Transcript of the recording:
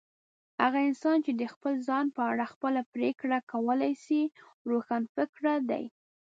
هغه انسان چي د خپل ځان په اړه خپله پرېکړه کولای سي، روښانفکره دی.